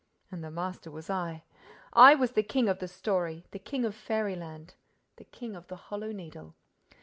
And the master was I! I was the king of the story, the king of fairyland, the king of the Hollow Needle!